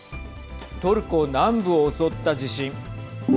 トルコ南部を襲った地震。